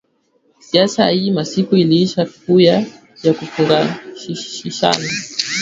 Siasa iyi masiku ilisha kuya ya kufungishishana